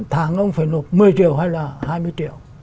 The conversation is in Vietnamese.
tháng ông phải nộp một mươi triệu hay là hai mươi triệu